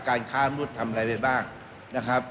การค้ามนุษย์ทำอะไรไปบ้างนะครับ